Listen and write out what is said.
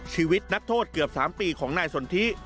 ชีวิตนักโทษเกือบ๓ปีของนายสนทิ